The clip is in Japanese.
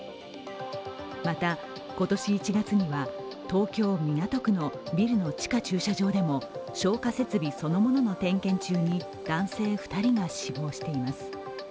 また、今年１月には東京・港区のビルの地下駐車場でも消火設備そのものの点検中に男性２人が死亡しています。